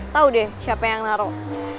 tau deh siapa yang ngaruh